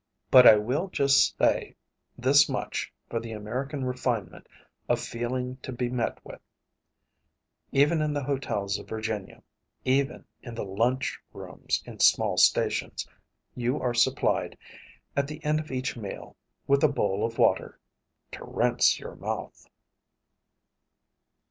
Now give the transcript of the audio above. But I will just say this much for the American refinement of feeling to be met with, even in the hotels of Virginia, even in the "lunch" rooms in small stations, you are supplied, at the end of each meal, with a bowl of water to rinse your mouth.